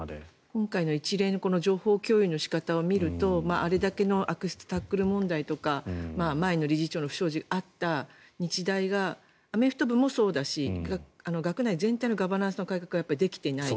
今回の一連の情報共有の仕方を見るとあれだけの悪質タックル問題とか前の理事長の不祥事があった日大が、アメフト部もそうだし学内全体のガバナンスの改革ができていない。